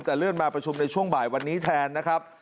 แต่เลื่อนมาประชุมในช่วงบ่ายวันนี้แทนนะครับ